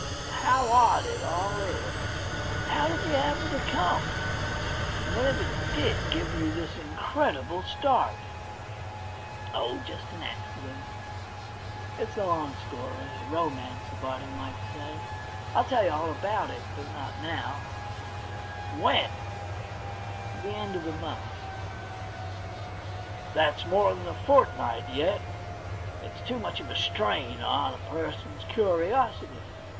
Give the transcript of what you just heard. How odd it all is ! How did you happen to come, and whatever did give you this incredible start ?' *0h, just an accident. It's a long story — a THE £1,000,000 BANK NOTE 23 romance, a body may say. I'll tell you all about it, but not now. 'When?' * The end of this month.' * That's more Lhan a fortnight yet. It's too much of a strain on a person's curiosity.